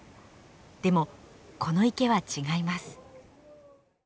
でもこの池は違います。